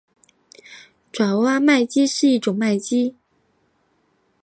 爪哇麦鸡是一种麦鸡。